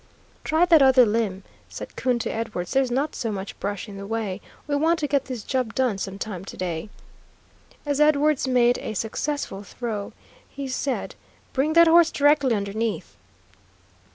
"Try that other limb," said Coon to Edwards; "there's not so much brush in the way; we want to get this job done sometime to day." As Edwards made a successful throw, he said, "Bring that horse directly underneath."